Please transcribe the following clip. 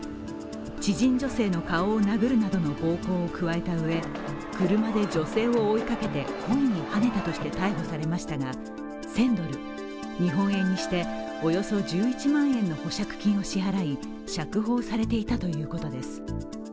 知人女性の顔を殴るなどの暴行を加えたうえ車で女性を追いかけて、故意にはねたとして逮捕されましたが１０００ドル、日本円にしておよそ１１万円の保釈金を支払い釈放されていたということです。